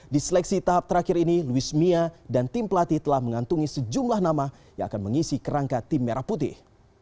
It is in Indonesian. di seleksi tahap terakhir ini luis mia dan tim pelatih telah mengantungi sejumlah nama yang akan mengisi kerangka tim merah putih